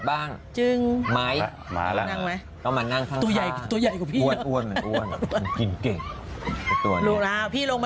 ปึ๊งจึ้งมั้ยมาแล้วต้องนั่งไหม